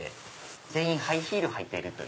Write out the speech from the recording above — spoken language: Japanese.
全員ハイヒール履いてる。